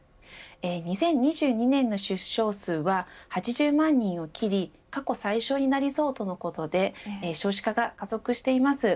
２０２２年の出生数は８０万人を切り過去最少になりそうとのことで少子化が加速しています。